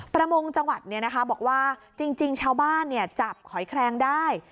ประมงจังหวัดบอกว่าจริงชาวบ้านจับหอยแคลงได้